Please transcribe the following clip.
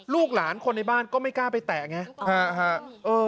ลูกหลานคนในบ้านก็ไม่กล้าไปแตะไง